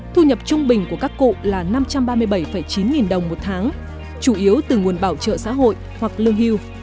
thu nhập trung bình của các cụ là năm trăm ba mươi bảy chín nghìn đồng một tháng chủ yếu từ nguồn bảo trợ xã hội hoặc lương hưu